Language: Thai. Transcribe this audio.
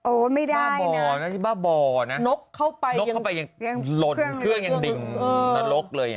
โอ้ไม่ได้นะบ้าบอนะนกเข้าไปยังลดเครื่องยังดิงนรกเลย